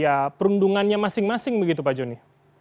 dan perundungannya masing masing begitu pak joni